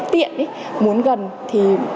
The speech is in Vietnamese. tiện ý muốn gần thì